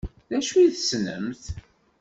D acu i tessnemt?